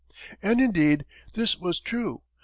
And, indeed, this was true.